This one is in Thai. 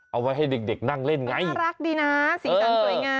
มันก็จะรักดีนะสินสรรสวยงาม